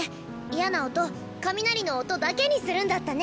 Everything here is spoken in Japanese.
嫌な音雷の音だけにするんだったね。